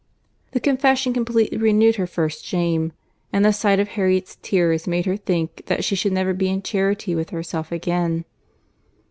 The confession completely renewed her first shame—and the sight of Harriet's tears made her think that she should never be in charity with herself again.